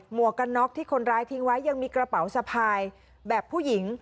วกกันน็อกที่คนร้ายทิ้งไว้ยังมีกระเป๋าสะพายแบบผู้หญิง